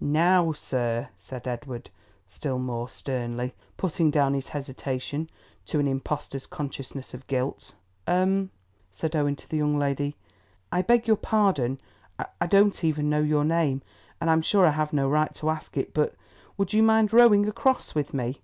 "Now, sir," said Edward still more sternly, putting down his hesitation to an impostor's consciousness of guilt. "Um!" said Owen to the young lady, "I beg your pardon. I don't even know your name, and I am sure I have no right to ask it, but would you mind rowing across with me?